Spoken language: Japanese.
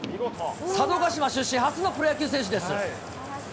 佐渡島出身初のプロ野球選手です。